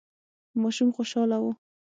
ماشوم خوشاله و.